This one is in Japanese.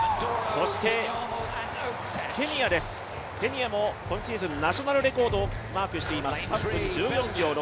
そしてケニアです、ケニアも今シーズンナショナルレコードをマークしています。